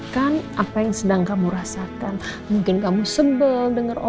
kalau rena masih mau bicara dengerin